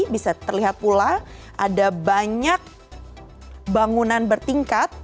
bisa terlihat pula ada banyak bangunan bertingkat